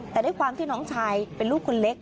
แต่ด้วยความที่น้องชายเป็นลูกคนเล็ก